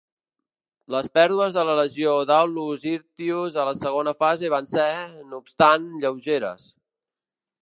Les pèrdues de la legió d'Aulus Hirtius a la segona fase van ser, no obstant, lleugeres.